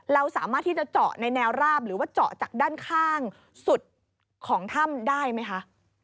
เราสามารถที่จะเจาะในแนวราบหรือว่าเจาะจากด้านข้างสุดของถ้ำได้ไหมคะ